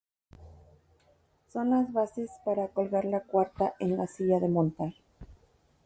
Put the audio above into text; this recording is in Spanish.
Son las bases para colgar la cuarta en la silla de montar.